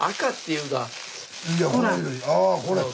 あこれ。